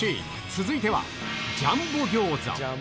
続いては、ジャンボ餃子。